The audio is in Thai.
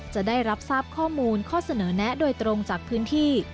จะได้รับทราบข้อมูลข้อเสนอแนะโดยตรงจากพื้นที่